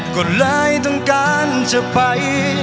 ก็เลยต้องการจะไป